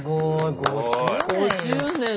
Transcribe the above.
５０年よ。